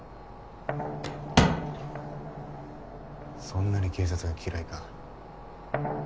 そんなに警察が嫌いか？